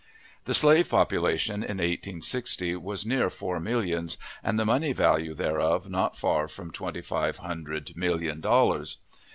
The slave population m 1860 was near four millions, and the money value thereof not far from twenty five hundred million dollars.